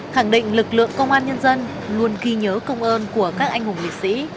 khẳng định lực lượng công an nhân dân luôn ghi nhớ công ơn của các anh hùng liệt sĩ